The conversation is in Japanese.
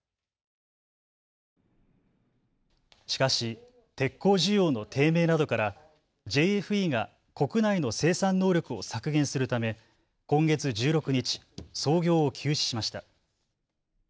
しかし鉄鋼需要の低迷などからＪＦＥが国内の生産能力を削減するため今月１６日、操業を休止しました。